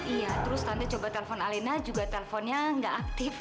iya terus tante coba telepon alena juga teleponnya gak aktif